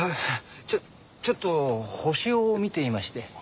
ちょちょっと星を見ていまして。